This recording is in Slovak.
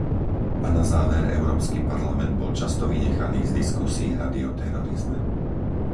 A na záver Európsky parlament bol často vynechaný z diskusií Rady o terorizme.